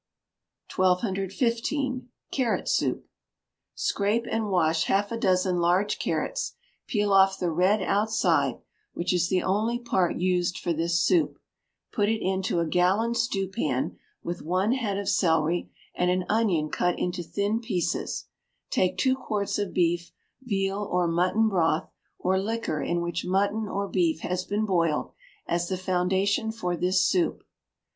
] 1215. Carrot Soup. Scrape and wash half a dozen large carrots; peel off the red outside (which is the only part used for this soup); put it into a gallon stewpan, with one head of celery, and an onion cut into thin pieces; take two quarts of beef, veal, or mutton broth, or liquor in which mutton or beef has been boiled, as the foundation for this soup.